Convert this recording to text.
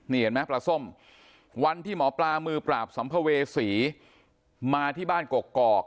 นี่เห็นไหมปลาส้มวันที่หมอปลามือปราบสัมภเวษีมาที่บ้านกกอก